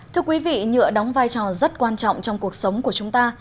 thưa quý vị nhựa đóng vai trò rất quan trọng trong cuộc sống của chúng ta